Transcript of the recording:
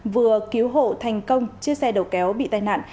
vừa cứu hộ thành công chiếc xe đầu kéo bị tai nạn